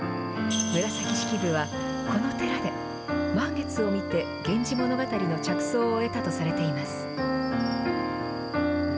紫式部は、この寺で満月を見て、源氏物語の着想を得たとされています。